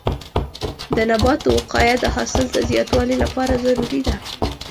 د نباتو وقایه د حاصل د زیاتوالي لپاره ضروري ده.